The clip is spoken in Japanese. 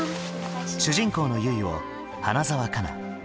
主人公の結衣を花澤香菜